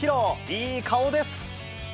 いい顔です。